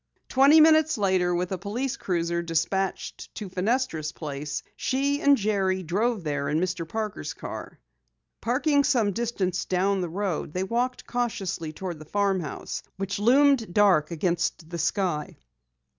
Twenty minutes later, with a police cruiser dispatched to Fenestra's place, she and Jerry drove there in Mr. Parker's car. Parking some distance down the road, they walked cautiously toward the farmhouse which loomed dark against the sky.